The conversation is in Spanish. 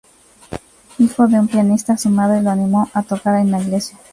Hijo de un pianista, su madre lo animó a tocar en la iglesia.